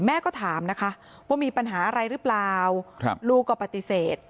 แม่ก็ถามนะคะว่ามีปัญหาอะไรหรือเปล่าลูกก็ปฏิเสธ